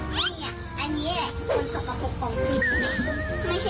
ไม่ใช่สกปรกนะสกปรกสกปรกสกปรก